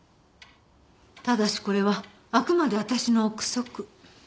ただしこれはあくまで私の憶測。